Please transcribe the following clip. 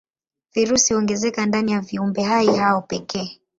Virusi huongezeka ndani ya viumbehai hao pekee.